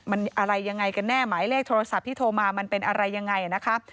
มันอะไรยังไงกันแน่หมายเลขโทรศัพท์ที่โทรมามันเป็นอะไรยังไงนะคะ